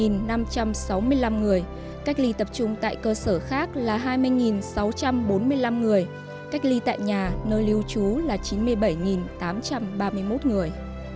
một năm trăm sáu mươi năm người cách ly tập trung tại cơ sở khác là hai mươi sáu trăm bốn mươi năm người cách ly tại nhà nơi lưu trú là chín mươi bảy tám trăm ba mươi một người